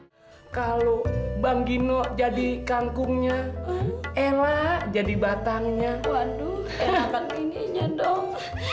hai kalau bang gino jadi kangkungnya ella jadi batangnya waduh enakan ini nyendong